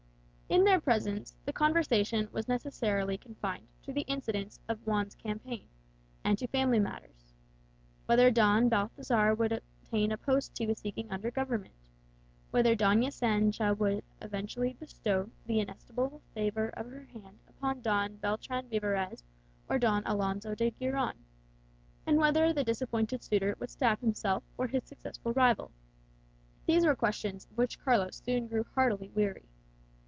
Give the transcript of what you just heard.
In their presence the conversation was necessarily confined to the incidents of Juan's campaign, and to family matters. Whether Don Balthazar would obtain a post he was seeking under Government; whether Doña Sancha would eventually bestow the inestimable favour of her hand upon Don Beltran Vivarez or Don Alonso de Giron; and whether the disappointed suitor would stab himself or his successful rival; these were questions of which Carlos soon grew heartily weary.